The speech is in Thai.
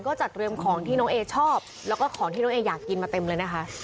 ก็จัดเตรียมของที่น้องเอชอบแล้วก็ของที่น้องเออยากกินมาเต็มเลยนะคะ